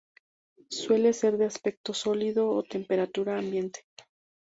Suele ser de aspecto sólido a temperatura ambiente.